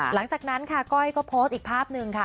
หลังจากนั้นค่ะก้อยก็โพสต์อีกภาพหนึ่งค่ะ